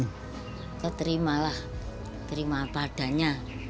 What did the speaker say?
kita terimalah terima apa adanya